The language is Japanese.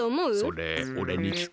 それおれにきく？